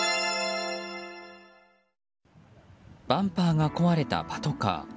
バンパーが壊れたパトカー。